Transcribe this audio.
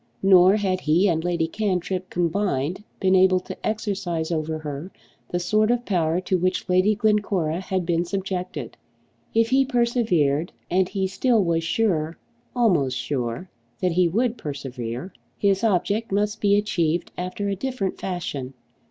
Nor had he and Lady Cantrip combined been able to exercise over her the sort of power to which Lady Glencora had been subjected. If he persevered, and he still was sure, almost sure, that he would persevere, his object must be achieved after a different fashion.